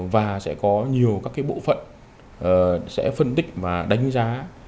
và sẽ có nhiều các cái bộ phận sẽ phân tích và đánh giá